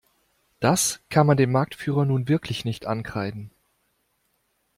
Das kann man dem Marktführer nun wirklich nicht ankreiden.